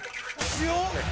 強っ！